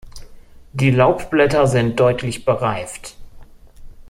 Die Laubblätter sind deutlich bereift.